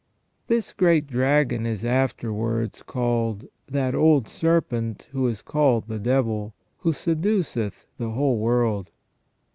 This great dragon is afterwards called " that old serpent, who is called the devil, who seduceth the whole world